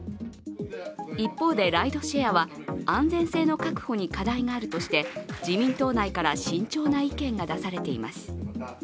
一方で、ライドシェアは安全性の確保に課題があるとして自民党内から慎重な意見が出されています。